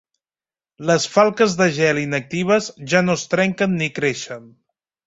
Les falques de gel inactives ja no es trenquen ni creixen.